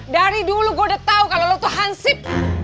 dari dulu gue udah tahu kalau lu tuh hansip